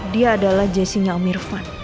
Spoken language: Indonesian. dia adalah jessy nya om irvan